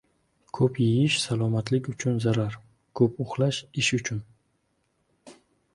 • Ko‘p yeyish — salomatlik uchun zarar, ko‘p uxlash — ish uchun.